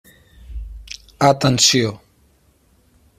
Atenció!